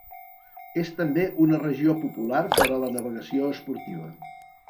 És també una regió popular per a la navegació esportiva.